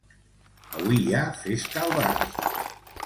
Avui hi ha festa al barri.